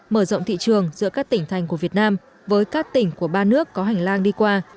mở rộng thị trường giữa các tỉnh thành của việt nam với các tỉnh của ba nước có hành lang đi qua